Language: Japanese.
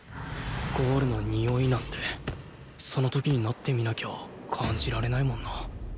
ゴールのにおいなんてその時になってみなきゃ感じられないもんな